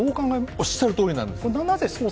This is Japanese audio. おっしゃるとおりなんです。